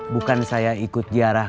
bukan saya ikut jiarah